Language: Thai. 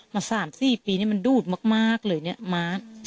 มา๓๔ปีนี่มันดูดมากเลยเนี่ยม้า